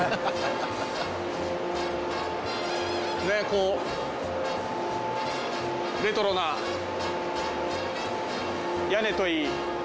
こうレトロな屋根といい。